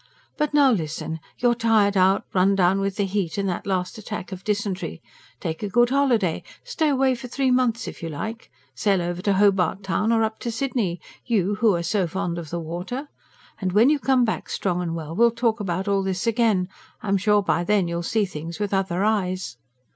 But now listen. You're tired out, run down with the heat and that last attack of dysentery. Take a good holiday stay away for three months if you like. Sail over to Hobart Town, or up to Sydney, you who'er so fond of the water. And when you come back strong and well we'll talk about all this again. I'm sure by then you'll see things with other eyes."